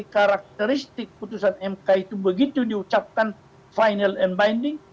karakteristik putusan mk itu begitu diucapkan final and binding